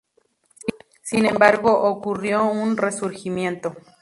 Sin embargo ocurrió un resurgimiento.